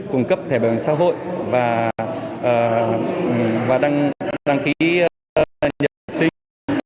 cung cấp thẻ bảo hiểm xã hội và đăng ký nhận sinh